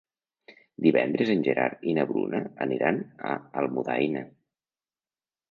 Divendres en Gerard i na Bruna aniran a Almudaina.